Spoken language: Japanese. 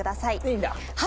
いいんだ。